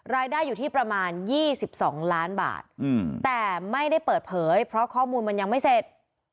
รายได้อยู่ที่ประมาณ๒๒ล้านบาทแต่ไม่ได้เปิดเผยเพราะข้อมูลมันยังไม่เสร็จ